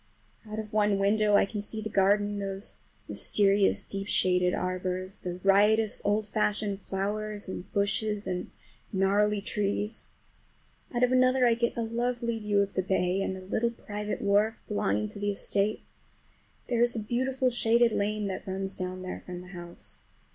Out of one window I can see the garden, those mysterious deep shaded arbors, the riotous old fashioned flowers, and bushes and gnarly trees. Out of another I get a lovely view of the bay and a little private wharf belonging to the estate. There is a beautiful shaded lane that runs down there from the house.